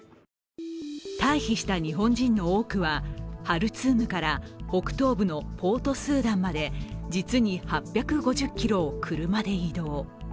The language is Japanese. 退避した日本人の多くはハルツームから北東部のポートスーダンまで実に８５０ｋｍを車で移動。